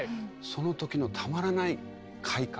その時のたまらない快感？